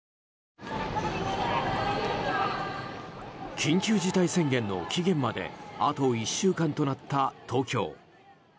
緊急事態宣言の期限まであと１週間となった東京。